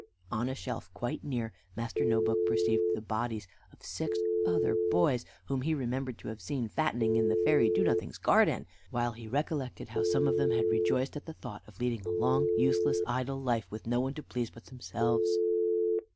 On a shelf quite near Master No book perceived the bodies of six other boys, whom he remembered to have seen fattening in the fairy Do nothing's garden, while he recollected how some of them had rejoiced at the thoughts of leading a long, useless, idle life, with no one to please but themselves.